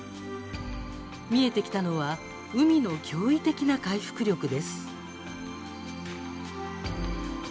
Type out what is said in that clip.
見えてきたのは海の驚異的な回復力です。